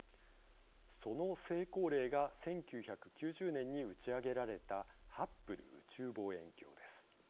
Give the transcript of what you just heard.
その成功例が１９９０年に打ち上げられたハッブル宇宙望遠鏡です。